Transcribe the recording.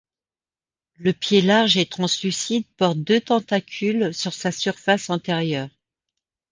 Le pied large et translucide porte deux tentacules sur sa surface antérieure.